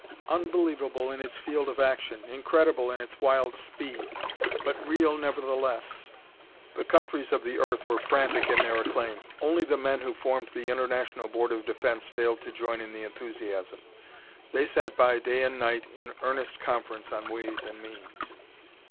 Unbelievable in its field of action, incredible in its wild speed, but real, nevertheless! the countries of the earth were frantic in their acclaim. Only the men who formed the International Board of Defense failed to join in the enthusiasm. They sat by day and night in earnest conference on ways and means.